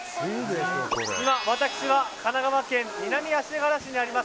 今、私は神奈川県南足柄市にあります